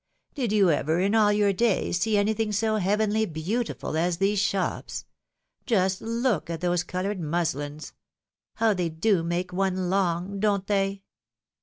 Did you ever in all your days see anything so heavenly beauti ful as these shops. Just look at those coloured musUns ! How they do make one long ! Don't they